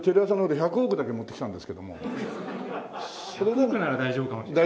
１００億なら大丈夫かもしれない。